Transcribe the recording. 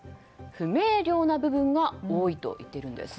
不明瞭な部分が多いと言っているんです。